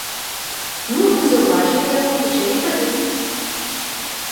Ну, мы заўважылі яго, пачалі паліць.